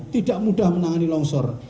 tidak mudah menangani longsor